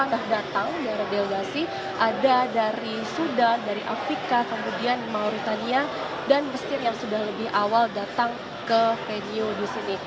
yang datang dari delegasi ada dari sudan dari afrika kemudian mauritania dan mesir yang sudah lebih awal datang ke venue di sini